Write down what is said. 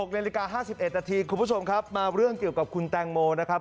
๖นาฬิกา๕๑นาทีคุณผู้ชมครับมาเรื่องเกี่ยวกับคุณแตงโมนะครับ